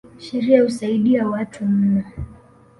Sheria husaidi watu mno.